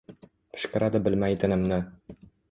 Pishqiradi bilmay tinimni.